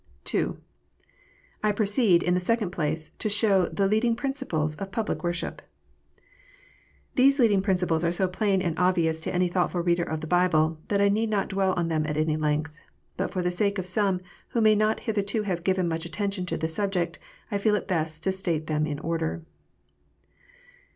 II. I proceed, in the second place, to show the leading principles of pull ic worship. These leading principles are so plain and obvious to any thoughtful reader of the Bible, that I need not dwell on them at any length. But for the sake of some who may not hitherto have given much attention to the subject, I feel it best to state them in order.